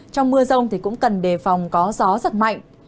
trong mưa rông cũng cần đề phòng có gió giật mạnh